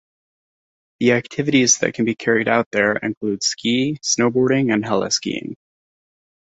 The activities that can be carried out there include ski, snowboarding, and heli-skiing.